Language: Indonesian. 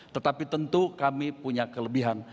tetapi tentu kami punya kelebihan